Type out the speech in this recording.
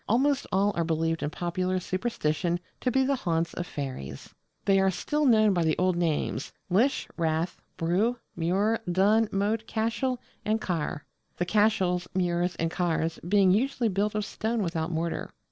Almost all are believed in popular superstition to be the haunts of fairies. They are still known by the old names lis, rath, brugh, múr, dún, moat, cashel, and caher: the cashels, múrs, and cahers being usually built of stone without mortar.